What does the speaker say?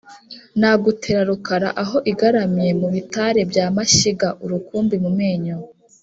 Nagutera Rukara aho igaramye mu bitare bya Mashyiga-Urukumbi mu menyo.